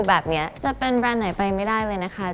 แบบนี้จะเป็นแบรนด์ไหนไปไม่ได้เลยนะคะ